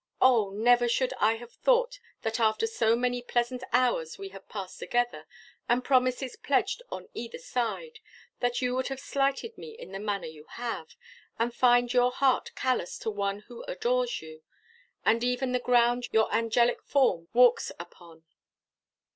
Oh! never should I have thought that after so many pleasant hours we have passed together, and promises pledged on either side, that you would have slighted me in the manner you have, and find your heart callous to one who adores you, and even the ground your angelic form walks upon.